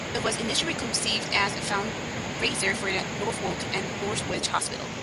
It was initially conceived as a fundraiser for the Norfolk and Norwich Hospital.